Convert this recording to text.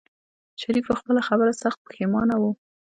شريف په خپله خبره سخت پښېمانه و.